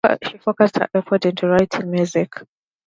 She focused her effort into writing music.